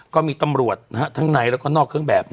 ก็มีตำรวจทั้งในแล้วก็นอกเครื่องแบบ